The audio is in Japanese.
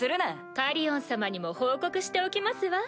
カリオン様にも報告しておきますわ。